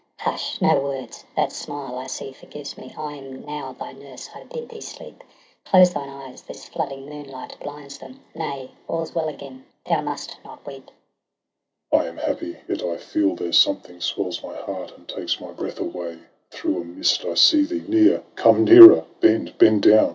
Hush, no words 1 that smile, I see, forgives me. I am now thy nurse, I bid thee sleep. Close thine eyes — this flooding moonlight blinds them !— Nay, all's well again! thou must not weep. Tristram. I am happy ! yet I feel, there 's something Swells my heart, and takes my breath away. Through a mist I see thee; near — come nearer! Bend — bend down!